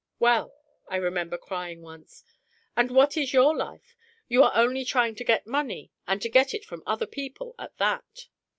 "Well," I remember crying once, "and what is your life? You are only trying to get money, and to get it from other people at that."